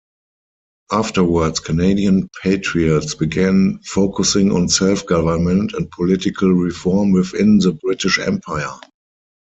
Afterwards Canadian patriots began focusing on self-government and political reform within the British Empire.